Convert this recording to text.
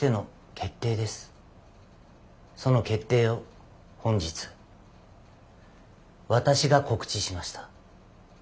その決定を本日私が告知しました。